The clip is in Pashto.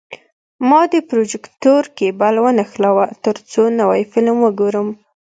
ما د پروجیکتور کیبل ونښلاوه، ترڅو نوی فلم وګورم.